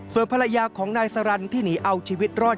ส่วนภรรยาของนายสรรคที่หนีเอาชีวิตรอด